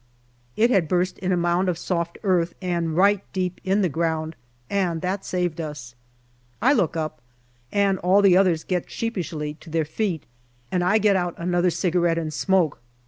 It had burst in a mound of soft earth and right deep in the ground, and that saved us. I look up, and all the others get sheepishly to their feet, and I get out another cigarette and smoke.